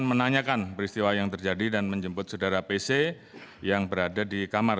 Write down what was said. menanyakan peristiwa yang terjadi dan menjemput saudara pc yang berada di kamar